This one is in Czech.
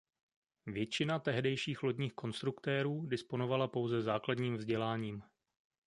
Většina tehdejších lodních konstruktérů disponovala pouze základním vzděláním.